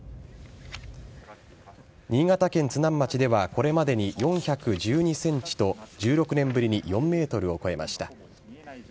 新潟県津南町ではこれまでに４１２センチと、１６年ぶりに４メートルを超えました。